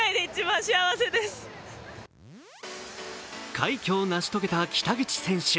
快挙を成し遂げた北口選手。